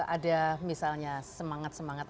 ada misalnya semangat semangat